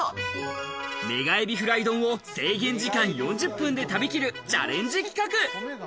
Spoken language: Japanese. メガ海老フライ丼を制限時間４０分で食べきるチャレンジ企画。